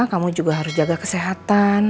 kamu juga harus jaga kesehatan